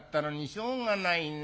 しょうがないね。